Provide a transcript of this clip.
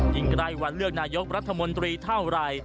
ยิ่งไกลวันเลือกนายกรัฐมนตรีเท่าไร